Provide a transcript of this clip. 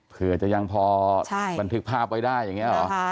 เผื่อจะยังพอบันทึกภาพไว้ได้อย่างนี้หรอ